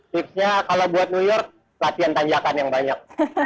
tipsnya kalau buat new york latihan tanjakan yang banyak